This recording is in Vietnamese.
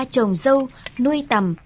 trồng dâu nuôi tầm